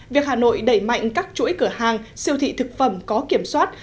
việc hà nội đẩy mạnh các chuỗi cửa hàng siêu thị thực phẩm có kiểm soát